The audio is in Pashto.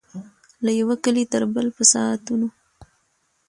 له یوه کلي تر بل به ساعتونه